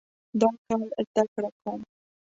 دا کال زده کړه کوم